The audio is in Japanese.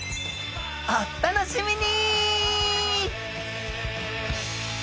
お楽しみに！